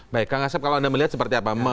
baik kak ngasep kalau anda melihat seperti apa